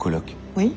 はい？